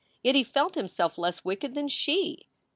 Yet he felt himself less wicked than she.